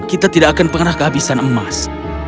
kita tidak akan pernah kehabisan emas